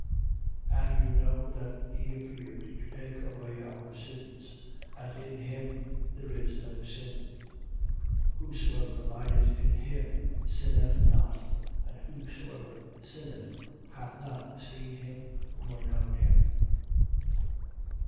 And you know that he appeared to take away our sins: and in him there is no sin. 3:6. Whosoever abideth in him sinneth not: and whosoever sinneth hath not seen him nor known him.